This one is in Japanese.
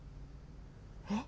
えっ！？